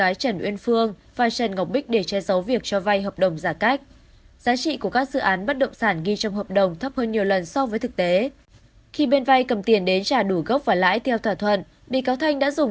bà trần uyên phương bị cáo buộc chiếm đoạt dự án minh thành và ba mươi năm thửa đất tổng trị giá năm trăm chín mươi năm tỷ đồng